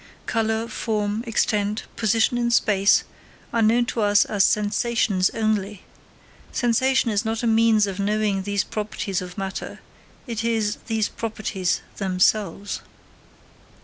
Colour, form, extent, position in space, are known to us as sensations only. Sensation is not a means of knowing these properties of matter, it is these properties themselves.